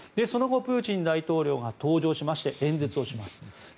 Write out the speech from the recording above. その後プーチン大統領が登場しまして演説をします。